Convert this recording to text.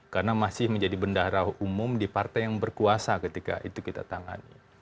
karena masih menjadi bendahara umum di partai yang berkuasa ketika itu kita tangani